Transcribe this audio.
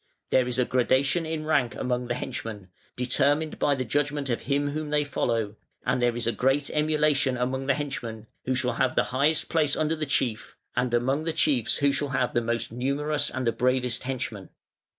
There is a gradation in rank among the henchmen, determined by the judgment of him whom they follow, and there is a great emulation among the henchmen, who shall have the highest place under the chief, and among the chiefs who shall have the most numerous and the bravest henchmen.